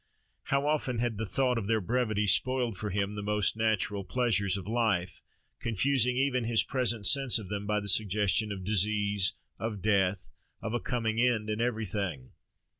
How often had the thought of their brevity spoiled for him the most natural pleasures of life, confusing even his present sense of them by the suggestion of disease, of death, of a coming end, in everything!